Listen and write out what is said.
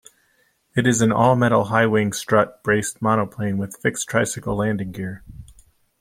It is an all-metal high-wing strut braced monoplane with fixed tricycle landing gear.